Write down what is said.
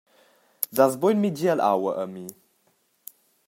Das buca in migiel aua a mi?